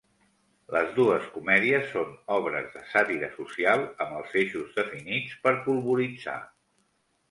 Les dues comèdies són obres de sàtira social amb els eixos definits per polvoritzar.